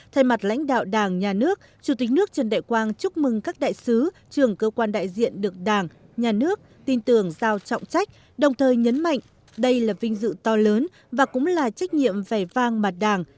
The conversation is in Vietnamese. thay mặt lãnh đạo đảng nhà nước chủ tịch nước trần đại quang chúc mừng các đại sứ trưởng cơ quan đại diện được đảng nhà nước tin tưởng giao trọng trách đồng thời nhấn mạnh đây là vinh dự to lớn và cũng là trách nhiệm vẻ vang mặt đảng